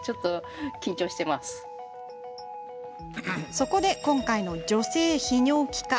そこで今回の女性泌尿器科。